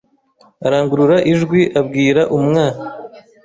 arangurura ijwi abwira umwa